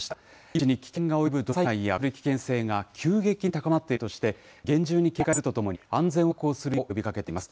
命に危険が及ぶ土砂災害や洪水が発生する危険性が急激に高まっているとして、厳重に警戒するとともに、安全を確保するよう呼びかけています。